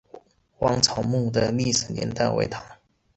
王潮墓的历史年代为唐。